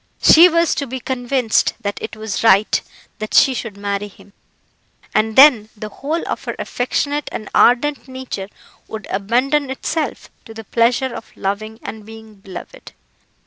She was to be convinced that it was right that she should marry him, and then the whole of her affectionate and ardent nature would abandon itself to the pleasure of loving and being beloved.